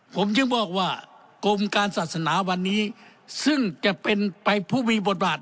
ผมจึงบอกว่ากรมการศาสนาวันนี้ซึ่งจะเป็นไปผู้มีบทบาท